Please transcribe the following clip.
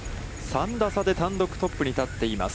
３打差で単独トップに立っています。